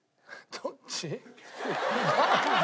どっち？